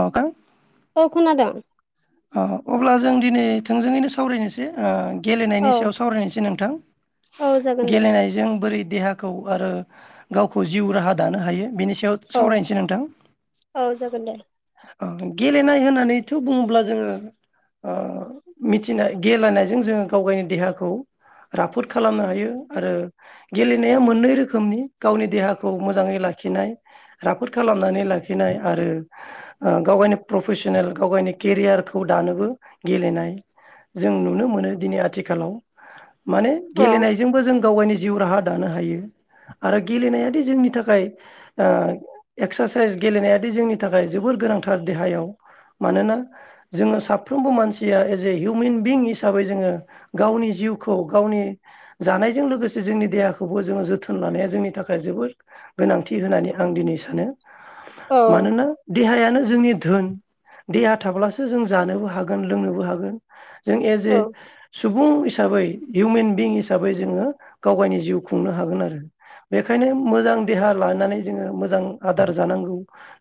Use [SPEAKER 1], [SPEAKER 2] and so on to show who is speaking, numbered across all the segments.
[SPEAKER 1] औ गा
[SPEAKER 2] औ खोनादों।
[SPEAKER 1] अह अब्ला जों दिनै थोंजोङैनो सावरायनोसै ओ
[SPEAKER 2] औ
[SPEAKER 1] गेलेनायनि सायाव सावरायनोसै नोंथां,
[SPEAKER 2] औ जागोन दे
[SPEAKER 1] गेलेनायजों बोरै देहाखौ आरो गावखौ जिउ राहा दानो हायो बेनि स याव
[SPEAKER 2] औ
[SPEAKER 1] सावरायनोसै नोंथां।
[SPEAKER 2] औ जागोन दे
[SPEAKER 1] ओ गेलेनाय होननानैथ' बुङोब्ला जोङो ओ मिथिनाय गेलानायजों जोङो गाव गायनि देहाखौ राफोद खालामनो हायो आरो गेलेनाया मोननै रोखोमनि गावनि देहाखौ मोजाङै लाखिनाय राफोद खालामनानै लाखिनाय आरो गाव गायनि प्रफेसनेल गाव गायनि केरियार खौ दानोबो गेलेनाय जों नुनो मोनो दिनै आथिखालाव माने
[SPEAKER 2] औ
[SPEAKER 1] गेलेनायजोंबो जों गाव गायनि जिउ राहा दानो हायो आरो गेलेनायादि जोंनि थाखाय ओ एक्सारसाइस गेलेनायादि जोंनि थाखाय जोबोर गोनांथार देहायाव मानोना जोङा साफ्रोमबो मानसिया एस ए हिउमेन बिं हिसाबै जोङो गावनि जिउखौ गावनि जानायजों लोगोसे जोंनि देहाखौबो जोङो जोथोन लानाया जोंनि थाखाय जोबोद गोनांथि होननानै आं दिनै सानो।
[SPEAKER 2] औ
[SPEAKER 1] मानोना देहाया नो जोंनि धोन देहा थाब्लासो सो जों जानोबो हागोन लोंनोबो हागोन। जों एज
[SPEAKER 2] औ
[SPEAKER 1] ए सुबुं हिसाबै हिउमेन बिं हिसाबै जोङो गाव गायनि जिउ खुंनो हागोन आरो बेखायनो मोजां देहा लानानै जोङो मोजां आदार जानांगौ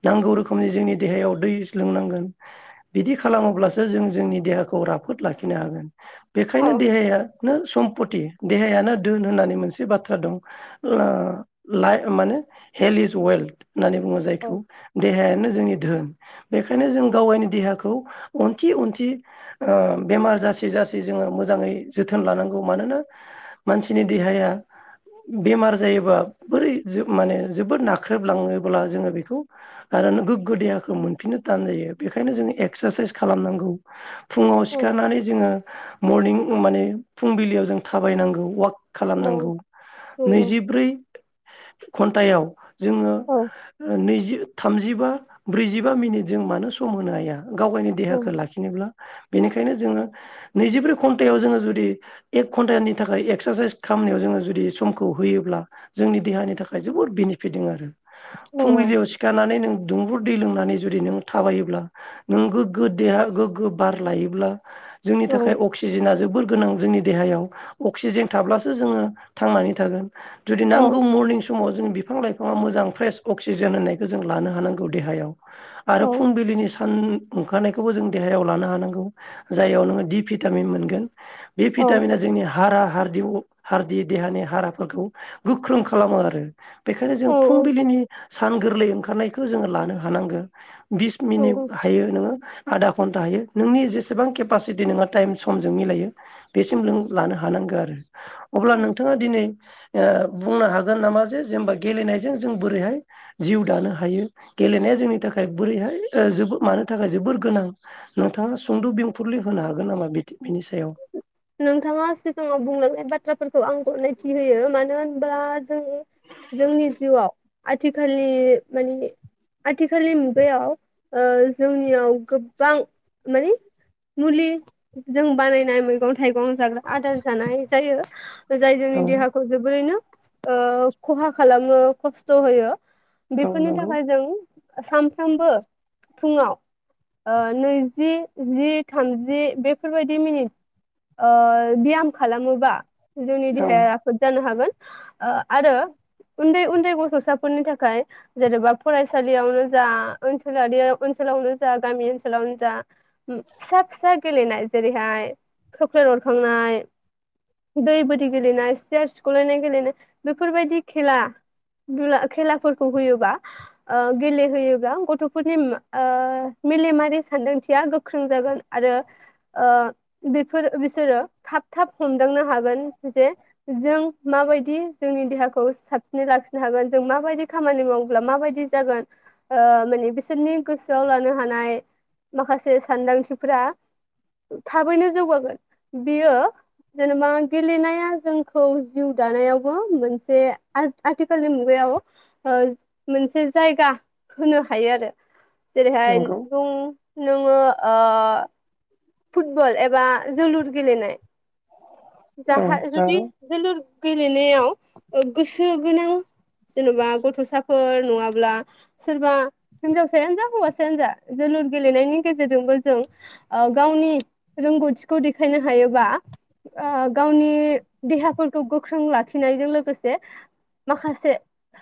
[SPEAKER 1] नांगौ रोखोमनि जोंनि देहायाव दै लोंनांगोन। बिदि खालामोब्लासो जों जोंनि देहाखौ राफोद लाखिनो हागोन। बेखायनो
[SPEAKER 2] औ
[SPEAKER 1] देहाया नो सम फथि देहायानो धोन होननानै मोनसे बाथ्रा दं ओ लाइ माने हेल्थ इज वेल्थ। होननानै बुङो जायखौ देहायानो जोंनि धोन। बेखायनो जों
[SPEAKER 2] औ
[SPEAKER 1] गाव गायनि देहाखौ अनथि अनथि ओ बेमार जासे जासे जोङो मोजाङै जोथोन लानांगौ मानोना मानसिनि देहाया बेमार जायोबा बोरै माने जोबोद नाख्रेबलाङोब्ला जोङो बेखौ आरो गोग्गो देहाखौ मोनफिननो थान जायो बेखायनो जोङो एक सारसाइस खालामनांगौ। फुङाव
[SPEAKER 2] औ
[SPEAKER 1] सिखारनानै जोङो मर्निं माने फुंबिलियाव जों थाबायनांगौ वाक खालामनांगौ नैजि ब्रै घन्टायाव जोङो नैजि थामजिबा ब्रैजिबा मिनिट जों मानो सम होनो हाया। गाव गायनि देहाखौ लाखिनोब्ला। बेनिखायनो जोङो नैजिब्रै घन्टायाव जोङो जुदि एक घन्टानि थाखाय एक्सारसाइस खालामनायाव जोङो जुदि समखौ होयोब्ला जोंनि देहानि थाखाय जोबोद बेनिफिट दों आरो।
[SPEAKER 2] नंगौ
[SPEAKER 1] फुंबिलियाव सिखारनानै नों दुंबुर दै लोंनानै जुदि नों थाबायोब्ला नों गोग्गो देहा गोग्गो बार लायोब्ला जोंनि
[SPEAKER 2] औ
[SPEAKER 1] थाखाय अक्सिजेना जोबोर गोनां जोंनि देहायाव अक्सिजेन थाब्लासो जोङो थांनानै थागोन। जुदि
[SPEAKER 2] औ
[SPEAKER 1] नांगौ मरनिं समाव जों बिफां लाइफाङा मोजां फ्रेस अक्सिजेन होननायखौ जों लानो हानांगौ देहायाव
[SPEAKER 2] औ
[SPEAKER 1] आरो फुंबिलिनि सान ओंखारनायखौबो जों देहायाव लानो हानांगौ जायाव नोङो दि भिटामिन मोनगोन। बे
[SPEAKER 2] औ
[SPEAKER 1] भिटामिना जोंनि हारा हार हारदि देहानि हाराफोरखौ गोख्रों खालामो आरो बेखायनो जों
[SPEAKER 2] औ औ
[SPEAKER 1] फुंबिलिनि सान गोरलै ओंखारनायखौ जोङो लानो हानांगो। बिस मिनिट
[SPEAKER 2] नंगौ
[SPEAKER 1] नोङो आधा घन्टा हायो नोंनि जेसेबां केपासिटि नोंङो टाइम समजों मिलायो बेसिम नों लानो हानांगौ आरो अब्ला नोंथाङा दिनै ओ बुंनो हागोन नामा जे जेनेबा गेलेनायजों जों बोरैहाय जिउ दानो हायो गेलेनाया जोंनि थाखाय बोरैहाय ओ जोबोद मानो थाखाय जोबोर गोनां नोंथाङा सुंद' बेंफुरल होनो हागोन नामा बिनि सायाव
[SPEAKER 2] नोंथाङा सिगाङाव बुंलांनाय बाथ्राफोरखौ आं गनायथि होयो मानो होनबा जों जोंनि जिउआव आथिखालनि मानि आथिखालनि मुगायाव ओ जोंनियाव गोबां मानिे मुलि जों बानायनाय मैगं थाइगं जाग्रा आदार जानाय जायो। जाय
[SPEAKER 1] औ
[SPEAKER 2] जोंनि देहाखौ जोबोरैनो ओ खहा खालामो खस्थ' होयो।
[SPEAKER 1] औ
[SPEAKER 2] बेफोरनि
[SPEAKER 1] नंगौ
[SPEAKER 2] थाखाय जों सामफामबो फुङाव ओ नैजि जि थामजि बेफोरबायदि मिनिट ओ ब्याम खालामोबा जोंनि
[SPEAKER 1] औ
[SPEAKER 2] देहाया राफोद जानो हागोन। ओ आरो उन्दै उन्दै गथ'साफोरनि थाखाय जेन'बा फरायसालियावनो जा ओनसोलारि ओनसोलावनो जा गामि ओनसोलावनो जा फिसा फिसा गेलेनाय जेरैहाय सक्लेट अरखांनाय दै बोरि गेलेनाय सियार सिख'लायनाय गेलेनाय बेफोरबायदि खेला दुला खेलाफोरखौ होयोबा ओ गेलेहोयोब्ला गथ'फोरनि मेलेमारि सान्दांथिया गोख्रों जागोन आरो बे फोर बिसोरो थाब थाब हमदांनो हागोन जे जों माबायदि जोंनि देहाखौ साबसिनै लाखिनो हागोन जों माबायदि खामानि माब्ला माबायदि जागोन ओ माने बिसोरनि गोसोआव लानो हानाय माखासे सानदांथिफोरा थाबैनो जौगागोन। बियो जेनेबा गेलेनाया जोंखौ जिउ दानायावबो मोनसे आ-आथिखालनि मुगायाव ओ मोनसे जायगा होनो हायो आरो जेरैहाय
[SPEAKER 1] नंगौ
[SPEAKER 2] बुं नोङो ओ फुटबल एबा जोलुर गेलेनाय
[SPEAKER 1] औ
[SPEAKER 2] जाहा जुदि
[SPEAKER 1] नंगौ
[SPEAKER 2] जोलुर गेलेनायाव ओ गोसो गोनां जेन'बा गथ'साफोर नङाब्ला सोरबा हिनजावसायानो जा हौवासायानो जा जोलुर गेलेनायनि गेजेरजोंबो जों ओ गावनि रोंगौथि खौ देखायनो हायोबा ओ गावनि देहाफोरखौ गोख्रों लाखिनायजों लोगोसे माखासे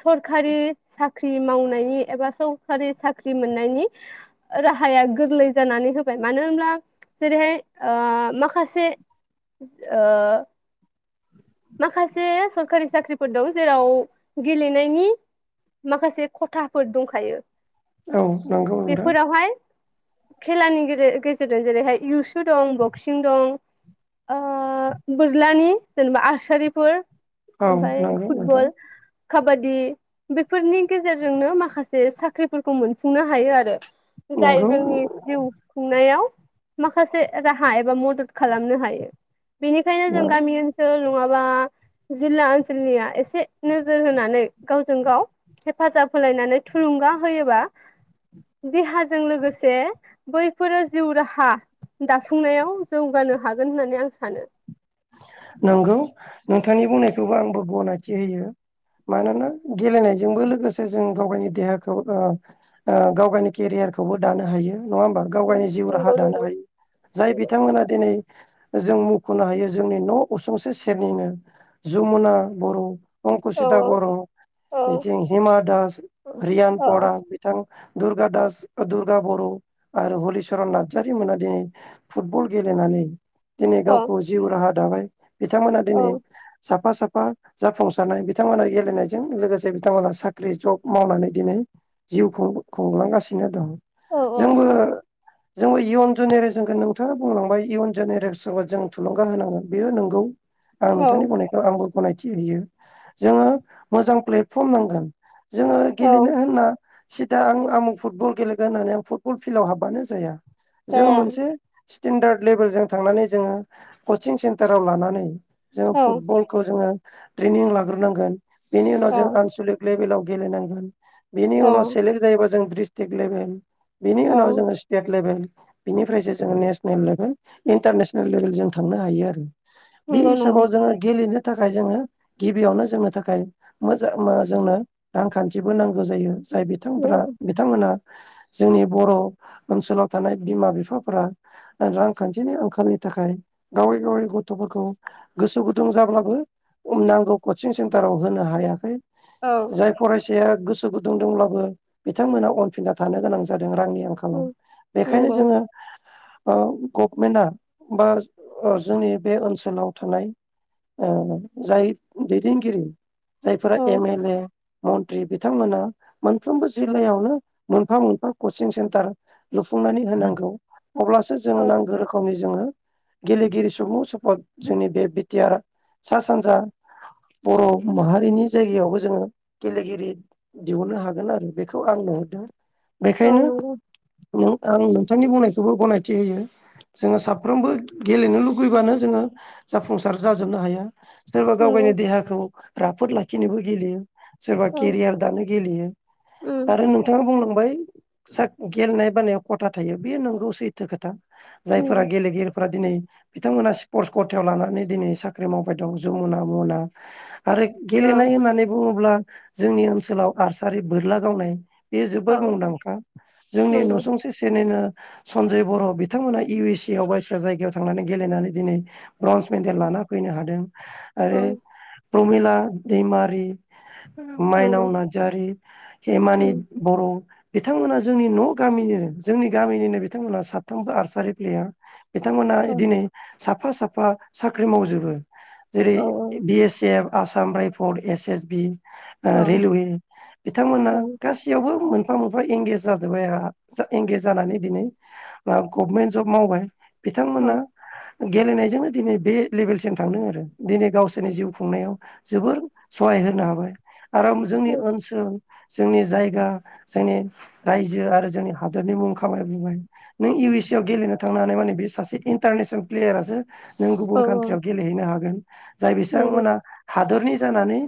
[SPEAKER 2] सरखारि साख्रि मावनायनि एबा सखारि साख्रि मोननायनि राहाया गोरलै जानानै होबाय मानो होनब्ला जेरैहाय ओ माखासे ओ माखासे सरखारि साख्रिफोर दं जेराव गेलेनायनि माखासे खथाफोर दंखायो।
[SPEAKER 1] औ नंगौ नोंथां
[SPEAKER 2] बेफोरावहाय खेलानि गेजेरजों जेरैहाय इउ सुद दं बक्सिं दं बोरलानि जेनेबा आरसारिफोर
[SPEAKER 1] औ
[SPEAKER 2] ओमफ्राय
[SPEAKER 1] नंगौ नोंथां
[SPEAKER 2] फुटबल काबादि बेफोरनि गेजेरजोंनो माखासे साख्रिफोरखौ मोनफुंनो हायो आरो जाय
[SPEAKER 1] नंगौ
[SPEAKER 2] जोंनि जिउ खुंनायाव माखासे राहा एबा मदद खालामनो हायो बेनिखायनो जों गामि
[SPEAKER 1] नंगौ
[SPEAKER 2] ओनसोल नङाबा जिल्ला ओनसोलनिया एसे नोजोर होनानै गाव जों गाव हेफाजाब होलायनानै थुलुंगा होयोबा देहाजों लोगोसे बैफोरो जिउ राहा दाफुंनायाव जौगानो हागोन होननानै आं सानो
[SPEAKER 1] नंगौ नोंथांनि बुंनायखौबो आंबो गनायथि होयो मानोना गेलेनायजोंबो लोगोसे जों गाव गावनि देहाखौ गाव गावनि केरियारखौबो दानो हायो नङा होमबा गाव गावनि जिउ राहा
[SPEAKER 2] नंगौ
[SPEAKER 1] दानो
[SPEAKER 2] नंगौ
[SPEAKER 1] हायो जाय
[SPEAKER 2] नंगौ
[SPEAKER 1] बिथांमोना दिनै जों मखनो हायो जोंनि न उसुंसे सेरनिनो जमुना बर
[SPEAKER 2] औ
[SPEAKER 1] अंकुसिता बर
[SPEAKER 2] औ
[SPEAKER 1] बिथिं हिमा दास रियान
[SPEAKER 2] औ
[SPEAKER 1] परा बिथां दुर्गा दास दुर्गा बर आरो हलिचरन नार्जारि मोना दिनै फुटबल गेलेनानै दिनै
[SPEAKER 2] औ
[SPEAKER 1] गावखौ हा दाबाय बिथांमोना
[SPEAKER 2] औ
[SPEAKER 1] दिनै साफा-साफा बा जाफुंसारनाय बिथांमोना गेलेनायजों लोगोसे बिथांमोना साख्रि जब मावनानै दिनै जिउ खुंलांगासिनो दं
[SPEAKER 2] औ-औ
[SPEAKER 1] जोंबो
[SPEAKER 2] नंगौ
[SPEAKER 1] जोंबो इयन जेनेरेसनखौ नोंथांङा बुंलांबाय इयन जेनेरेसखौ जों थुलुंगा होनांगोन बेयो नोंगौ आं
[SPEAKER 2] औ
[SPEAKER 1] नोंथांनि बुंनायखौ आंबो गनायथि होयो जोंङो मोजां प्लेटफर्म नांगोन जोंङो
[SPEAKER 2] औ
[SPEAKER 1] गेलेनो होनना सिदा आं आमुं फुटबल गेलेगोन होननानै आं फुटबल फिल्डआव हाबबानो जाया जों
[SPEAKER 2] जाया
[SPEAKER 1] मोनसे स्टेेनडार्द लेभेलजों थांनानै जोंङो कचिं सेन्टाराव लानानै जोंङो
[SPEAKER 2] औ
[SPEAKER 1] फुटबलखौ जोंङो ट्रेनिं लाग्रोनांगोन बेनि उनाव जों
[SPEAKER 2] औ
[SPEAKER 1] आनसलिक लेभेलाव गेलेेनांगोन बिनि उनाव
[SPEAKER 2] औ
[SPEAKER 1] सेलक जायोबा जों द्रि्सथिग‌ लेबेल बिनि
[SPEAKER 2] औ
[SPEAKER 1] उनाव जोंङो सटेट लेभेल बिनिफ्रायसो जोंङो नेसनेल लेभेल इन्टारनेसनेल लेभेल जों थांनो हायो आरो बे
[SPEAKER 2] नंगौ नंगौ
[SPEAKER 1] हिसाबाव जोंङो गेलेनो थाखाय जोंङो गिबियावनो जोंनो थाखाय मोजां जोंनो रांखान्थिबो नांगौ जायो जाय बिथांफ्रा
[SPEAKER 2] नंगौ
[SPEAKER 1] बिथांमोना जोंनि बर ओनसोलाव थानाय बिमा बिफाफोरा रांखान्थिनि आंखालनि थाखाय गावै-गावै गथफोरखौ गोसो गुदुं जाब्लाबो नांगौ कचिं सेन्टाराव होनो हायाखै।
[SPEAKER 2] औ
[SPEAKER 1] जाय फरायस जायहा गोसो गुंदुं दंब्लाबो बिथांमोना अनफिनना थानो गोनां जादों। जों रांनि आंखालाव
[SPEAKER 2] उम,
[SPEAKER 1] बेखायनो
[SPEAKER 2] नंगौ
[SPEAKER 1] जोङो गफमेन्तआ बा जोंनि बे ओनसोलाव थानाय जाय दैदेनगिरि जायफोरा
[SPEAKER 2] औ
[SPEAKER 1] एम एल ए मन्त्रि बिथांमोना मोनफ्रोमबो जिल्लायावनो मोनफा मोनफा कचिं सेन्टार लुफुंनानै होनांगौ अब्लासो जोङो
[SPEAKER 2] औ
[SPEAKER 1] नांगौ रोखोमनि जोङो गेलेगिरि सुबुं स्फद जोंनि बे बिटिआर सा सानजा बर माहारिनि जायगायावबो जोङो गेलेगिरि दिहुनो हागोन आरो बेखौ आं नुहुरदों
[SPEAKER 2] औ
[SPEAKER 1] बेखायनो
[SPEAKER 2] नंगौ
[SPEAKER 1] आं नोंथांनि बुंनायखौबो गनायथि होयो जोङो साफ्रोमबो गेलेनो लुुबैबानो जोङो जाफुंसार जाजोबनो हाया सोरबा गाव गावनि
[SPEAKER 2] नंगौ
[SPEAKER 1] देहाखौ राफोद लाखिनोबो गेलेयो सोरबा
[SPEAKER 2] औ
[SPEAKER 1] केरियार दानो गेलेयो
[SPEAKER 2] उम
[SPEAKER 1] आरो नोंथाङा बुंनांगौ बाय गेलेनाय बानायाव खथा थायो बे नंगौ सैथो खोथा जायफोरा
[SPEAKER 2] नंगौ
[SPEAKER 1] गेलेगिरि दिनै बिथांमोना सिफरस्त कथायाव लानानै दिनै साख्रि मावबाय दं जमुना आरो गेलेनाय होननानै बुङोब्ला जोंनि ओनसोलाव आरसारि बोरला गावनाय बेयो
[SPEAKER 2] औ
[SPEAKER 1] जोबोर मुंदांखा जोंनि
[SPEAKER 2] नंगौ
[SPEAKER 1] नसुंसेनिनो सनजय बर बिथांमोना इउ एस से आव बाय जायगायाव थांनानै गेलेनानै दिनै ब्रन्ज मेडेल लाना फैनो हादों
[SPEAKER 2] औ
[SPEAKER 1] आरो प्रमिला दैमारि माइनाव
[SPEAKER 2] नंगौ
[SPEAKER 1] नार्जारि हेमानि
[SPEAKER 2] उम
[SPEAKER 1] बर' बिथांमोना जोंनि न‌ गामिनिनो जोंनि गामिनिनो बिथांमोना साथामबो आर्सारि प्लेयार बिथांमोना
[SPEAKER 2] औ
[SPEAKER 1] दिनै साफा साफा साख्रि मावजोबो जेरै
[SPEAKER 2] औ
[SPEAKER 1] B S F Assam rifle S S B
[SPEAKER 2] औ
[SPEAKER 1] रेलवे बिथांमोना
[SPEAKER 2] औ
[SPEAKER 1] गासैयावबो मोन मोनफा मोनफा एंगेज जाजोबबाय जा एंगेज जानानै दिनै आ गभमेन्ट जब मावबाय बिथांमोना गेलेनायजोंनो दिनै बे लेभेलसिम थांदों आरो दिनै गावसोरनि जिउ खुंनायाव जोबोर सहाय होनो हाबाय आराम
[SPEAKER 2] औ
[SPEAKER 1] जोंनि ओनसोल जोंनि जायगा जोंनि रायजो आरो जोंनि हादोरनि मुं खामाय बुबाय नों इउ एस ए आव गेलेनो थांनानै माने बे सासे इन्टारनेसनेल प्लेयारासो नों गुबुन
[SPEAKER 2] औ औ
[SPEAKER 1] कान्ट्रियाव गेलेहैनो हागोन। जाय
[SPEAKER 2] नंगौ औ
[SPEAKER 1] बिसांमोना हादरनि जानानै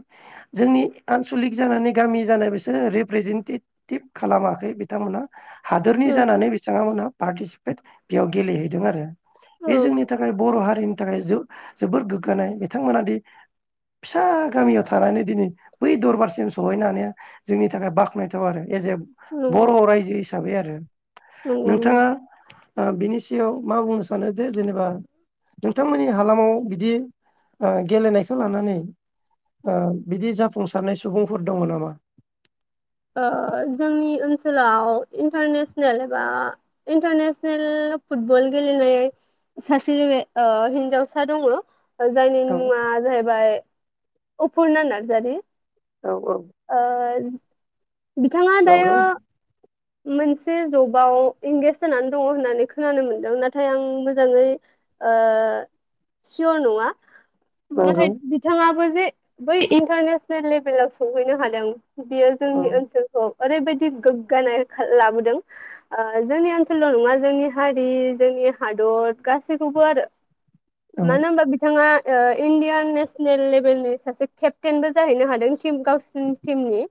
[SPEAKER 1] जोंनि आनसलिक जानानै गामि जानाय बिसोर रिप्रेजेन्टेटिभ खालामाखै बिथांमोनहा। हादोरनि
[SPEAKER 2] औ
[SPEAKER 1] जानानै बिथाङा मोना पार्टिसिपेट बेयाव गेलेहैदों आरो बे जोंनि थाखाय बर' हारि हारिनि थाखाय जो जोबोर गोग्गानाय बिथांमोना दि फिसा गामियाव थानानै दिनै बै दरबारसिम सहैनो हानाया जोंनि थाखाय बाख्नायथाव आरो एज ए
[SPEAKER 2] नंगौ
[SPEAKER 1] बर' रायजो हिसाबै आरो
[SPEAKER 2] नंगौ नंगौ
[SPEAKER 1] नोंथाङा ओ बिनि सिगाङाव मा बुंनो स सानो जे जेनेबा नोंथांमोननि हालामाव ओ बिदि गेलेनायखौ लानानै बिदि जाफुंसारनाय सुबुंफोर दङ नामा?
[SPEAKER 2] ओ जोंनि ओनसोलाव इन्टारनेसनेल एबा इन्टारनेसनेल फुटबल गेलेनाय सासे हिन्जावसा दङ। जायनि
[SPEAKER 1] औ
[SPEAKER 2] मुङा जाहैबाय अपुुरना नारजारि।
[SPEAKER 1] औ औ
[SPEAKER 2] ओ ज बिथाङा
[SPEAKER 1] नंगौ
[SPEAKER 2] दायो मोनसे जबाव इंगेज जानानै दङ होननानै खोनानो मोनदों नाथाय आं मोजाङै ओ सियर नङा।
[SPEAKER 1] नंगौ
[SPEAKER 2] नाथाय बिथाङाबो जे बै इन्टारनेसनेल लेभेलाव सहैनो हादों। बियो
[SPEAKER 1] औ
[SPEAKER 2] जोंनि ओनसोलखौ ओरैबायदि गोग्गानाय लाबोदों ओ जोंनि ओनसोलल' नङा जोंनि हारि जोंनि हादर गासैखौबो आरो।
[SPEAKER 1] औ
[SPEAKER 2] मानो होमबा बिथाङा ओ इण्डियान नेसनेल लेभेलनि सासे केपटेनबो जाहैनो हादों। टिम गावसिनि टिमनि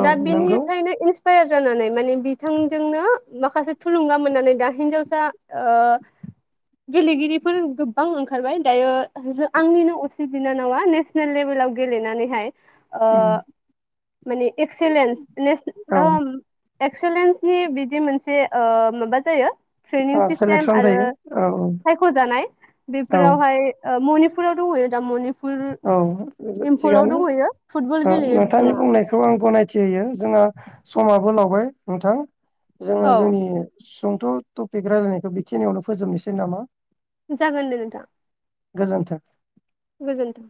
[SPEAKER 1] औ
[SPEAKER 2] दा
[SPEAKER 1] नंगौ
[SPEAKER 2] बिनिफ्रायनो साया जानानै माने बिथांजोंनो माखासे थुलुंगा मोननानै दा हिनजावसा ओ गेलेगिरिफोर गोबां ओंखारबाय दायो जों आंनिनो असे बिनानावा नेसनेल लेभेलाव गेलेनानैहाय ओ
[SPEAKER 1] उम
[SPEAKER 2] माने एक्सेलेन ने एक्सेलेन्सनि बिदि मोनसे ओ माबा जायो। स्रेनिं
[SPEAKER 1] औ
[SPEAKER 2] सिस्टेम
[SPEAKER 1] सेलेकसन
[SPEAKER 2] आरो
[SPEAKER 1] जायो औ
[SPEAKER 2] सायख'जानाय
[SPEAKER 1] औ
[SPEAKER 2] बेफोरावहाय ओ मा पुराव दंहैयो दा मानि
[SPEAKER 1] औ थिगानो
[SPEAKER 2] फुटबल गेलेयो
[SPEAKER 1] नोंथांनि
[SPEAKER 2] बिथाङा
[SPEAKER 1] बुंनायखौ आं गनायथि होयो जोंहा समाव लावबाय नोंथां जोङो
[SPEAKER 2] औ
[SPEAKER 1] जोंनि सुंथ टपिक रायजलायनायखौ बेखिनियावनो फोजोबनोसै नामा?
[SPEAKER 2] जागोन दे नोंथां।
[SPEAKER 1] गोजोन्थों।
[SPEAKER 2] गोजोनथों।